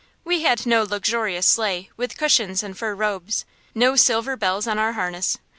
We had no luxurious sleigh, with cushions and fur robes, no silver bells on our harness.